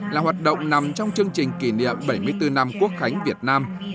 là hoạt động nằm trong chương trình kỷ niệm bảy mươi bốn năm quốc khánh việt nam